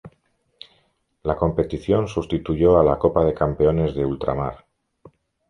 La competición sustituyó a la Copa de Campeones de Ultramar.